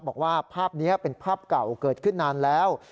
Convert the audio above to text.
บอกว่าภาพนี้เป็นภาพเก่าเกิดขึ้นนานแล้ว